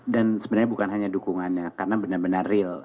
dan sebenarnya bukan hanya dukungannya karena benar benar real